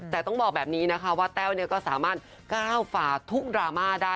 แต่ต้องบอกแบบนี้นะคะว่าแต้วก็สามารถก้าวฝ่าทุกดราม่าได้